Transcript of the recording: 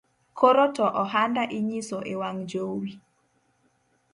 Koro to ohanda inyiso ewang’ jowi